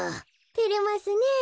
てれますねえ。